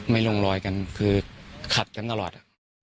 ลงรอยกันคือขัดกันตลอด